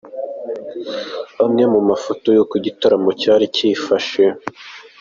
Amwe mu mafoto y’uko igitaramo cyari cyifashe :.